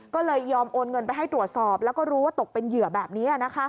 ก็เลยยอมโอนเงินไปให้ตรวจสอบแล้วก็รู้ว่าตกเป็นเหยื่อแบบนี้